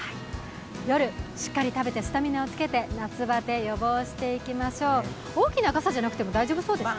夜、しっかり食べてスタミナをつけて、夏バテ予防していきましょう大きな傘じゃなくても大丈夫そうですか？